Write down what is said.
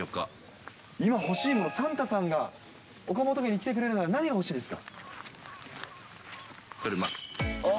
今、欲しいもの、サンタさんが岡本家に来てくれるなら何が欲しいですか？